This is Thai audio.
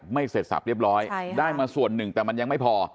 เสร็จสับเรียบร้อยได้มาส่วนหนึ่งแต่มันยังไม่พอ